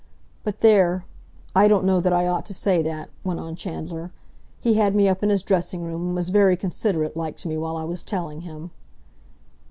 "But, there, I don't know that I ought to say that," went on Chandler. "He had me up in his dressing room, and was very considerate like to me while I was telling him."